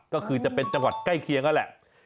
ก็คือจะเป็นจังหวัดใกล้เคียงนั่นแหละ